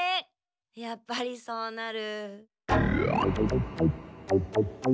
やっぱりそうなる。